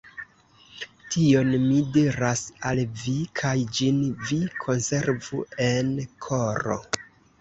Tion mi diras al vi, kaj ĝin vi konservu en koro.